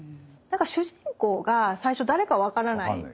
何か主人公が最初誰か分からない。